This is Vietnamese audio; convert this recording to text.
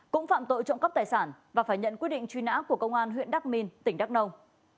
cũng phạm tội trộm cắp tài sản và phải nhận quyết định truy nã của công an huyện đắk minh tỉnh đắk nông